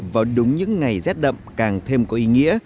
vào đúng những ngày rét đậm càng thêm có ý nghĩa